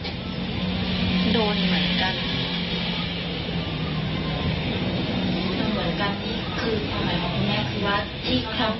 ใช่